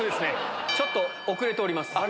ちょっと遅れております。